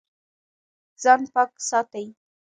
ځان پاک ساتئ